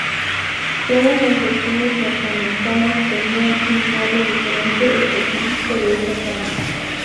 Todas las versiones norteamericanas tenían un morro diferente específico de esa zona.